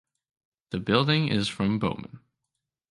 The building is from Bowman.